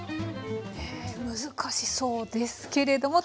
へえ難しそうですけれども。